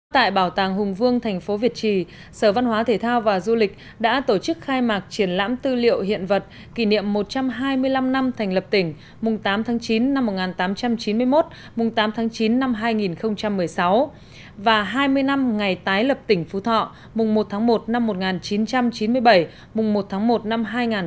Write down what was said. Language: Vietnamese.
tại bảo tàng hùng vương thành phố việt trì sở văn hóa thể thao và du lịch đã tổ chức khai mạc triển lãm tư liệu hiện vật kỷ niệm một trăm hai mươi năm năm thành lập tỉnh mùng tám tháng chín năm một nghìn tám trăm chín mươi một mùng tám tháng chín năm hai nghìn một mươi sáu và hai mươi năm ngày tái lập tỉnh phú thọ mùng một tháng một năm một nghìn chín trăm chín mươi bảy mùng một tháng một năm hai nghìn một mươi bảy